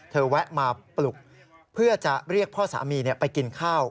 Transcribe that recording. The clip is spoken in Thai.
แวะมาปลุกเพื่อจะเรียกพ่อสามีไปกินข้าว